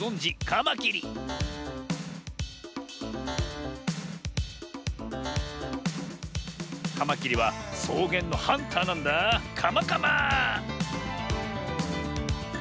カマキリはそうげんのハンターなんだカマカマ。